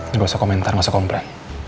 nggak usah komentar nggak usah komplain